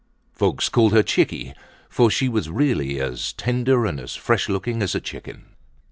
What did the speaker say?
Folks called her "chickie," for she was really as tender and as fresh looking as a chicken.